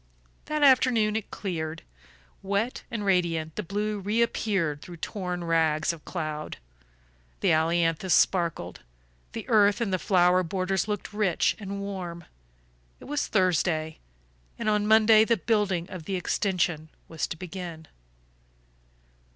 That afternoon it cleared. Wet and radiant the blue reappeared through torn rags of cloud; the ailanthus sparkled; the earth in the flower borders looked rich and warm. It was Thursday, and on Monday the building of the extension was to begin.